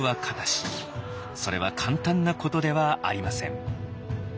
それは簡単なことではありません。